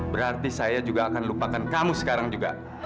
berarti saya juga akan lupakan kamu sekarang juga